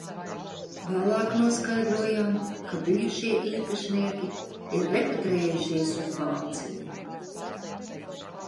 Vēlāk noskaidrojām ka bijušie īpašnieki ir repatriējušies uz Vāciju.